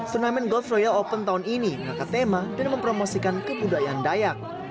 turnamen golf royal open tahun ini mengangkat tema dan mempromosikan kebudayaan dayak